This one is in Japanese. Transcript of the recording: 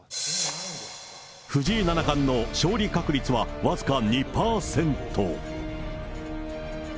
藤井七冠の勝利確率は、僅か２％。